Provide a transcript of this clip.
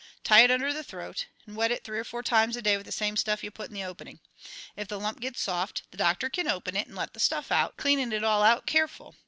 Tie it under the throat, and wet it three or four times a day with the same stuff ye put in the opening. If the lump gets soft, the doctor kin open it 'nd let the stuff out, cleanin' it all out careful.